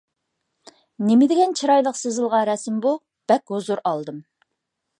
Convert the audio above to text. نېمىدېگەن چىرايلىق سىزىلغان رەسىم بۇ! بەك ھۇزۇر ئالدىم.